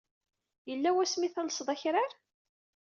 Yella wasmi ay tellseḍ akrar?